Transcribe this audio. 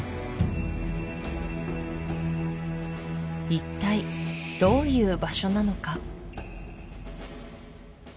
一体どういう場所なのか？